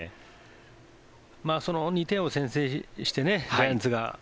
２点を先制してジャイアンツが。